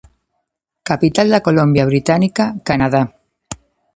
Capital da Colombia Británica, Canadá.